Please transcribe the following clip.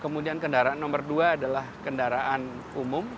kemudian kendaraan nomor dua adalah kendaraan umum